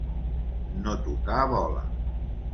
No tocar bola.